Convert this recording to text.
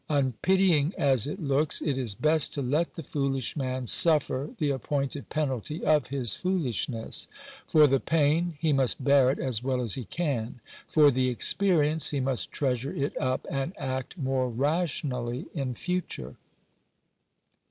Unpitying as it looks, it is best to let the foolish man suffer the appointed pe nalty of his foolishness. For the pain — he must bear it as well as he can : for the experience — he must treasure it up, and act more rationally in future.